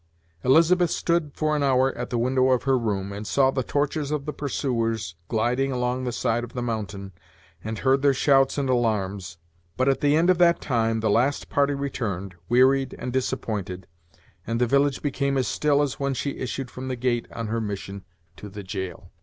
Elizabeth stood for an hour at the window of her room, and saw the torches of the pursuers gliding along the side of the mountain, and heard their shouts and alarms; but, at the end of that time, the last party returned, wearied and disappointed, and the village became as still as when she issued from the gate on her mission to the jail.